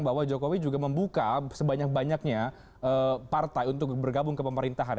bahwa jokowi juga membuka sebanyak banyaknya partai untuk bergabung ke pemerintahan